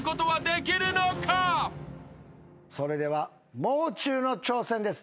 それではもう中の挑戦です。